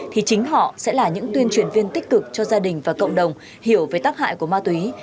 thì chính họ sẽ là những tuyên truyền viên tích cực cho gia đình và cộng đồng hiểu về tác hại của ma túy